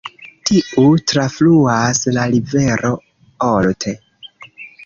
Tiu trafluas la rivero Olt.